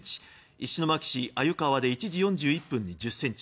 石巻市鮎川で１時４１分に１０ｃｍ。